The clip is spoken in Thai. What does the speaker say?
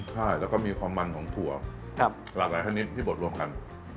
ใช่แล้วก็มีความมันของถั่วหลากหลายชนิดที่บดรวมกัน